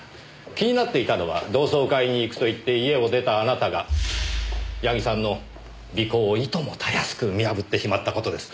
気になっていたのは同窓会に行くと言って家を出たあなたが矢木さんの尾行をいともたやすく見破ってしまった事です。